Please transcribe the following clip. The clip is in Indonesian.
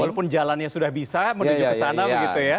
walaupun jalannya sudah bisa menuju ke sana begitu ya